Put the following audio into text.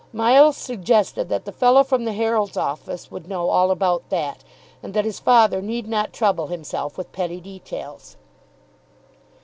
Miles suggested that the fellow from the Herald's office would know all about that, and that his father need not trouble himself with petty details.